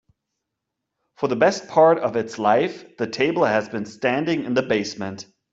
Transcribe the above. For the best part of its life, the table has been standing in the basement.